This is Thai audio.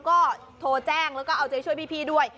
ก็โทรแจ้งโทรมาช่วยพี่พี้ด้วย